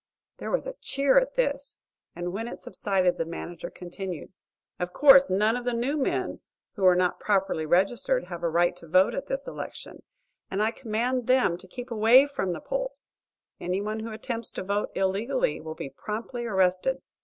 There was a cheer at this, and when it subsided, the manager continued: "Of course none of the new men, who were not properly registered, have a right to vote at this election, and I command them to keep away from the polls. Anyone who attempts to vote illegally will be promptly arrested."